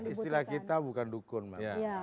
istilah kita bukan dukun ya